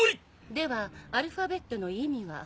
ではアルファベットの意味は？